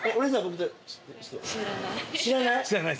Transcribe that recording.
知らない？